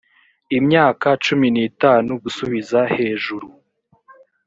imyaka cumi n itanu gusubiza hejuru